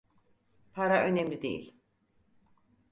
Para önemli değil.